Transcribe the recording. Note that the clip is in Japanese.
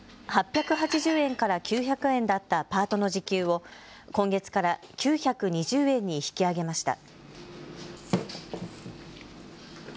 ８８０円から９００円だったパートの時給を今月から９２０円に引き上げました。